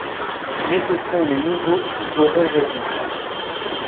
Mais ce sont les nouveaux qui auront raison.